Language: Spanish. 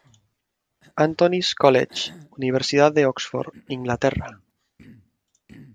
Antony’s College, Universidad de Oxford, Inglaterra.